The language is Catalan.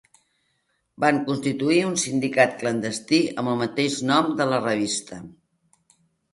Van constituir un sindicat clandestí amb el mateix nom de la revista.